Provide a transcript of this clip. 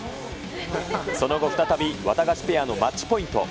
その後、再びワタガシペアのマッチポイント。